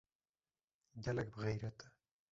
Gelek bixîret e.